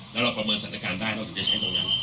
แล้วเราประเมินสถานการณ์ได้เราถึงจะใช้ตรงนั้น